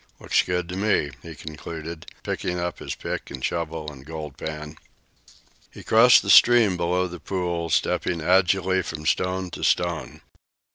"Looks good to me," he concluded, picking up his pick and shovel and gold pan. He crossed the stream below the pool, stepping agilely from stone to stone.